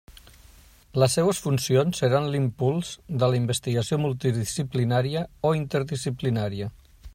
Les seues funcions seran l'impuls de la investigació multidisciplinària o interdisciplinària.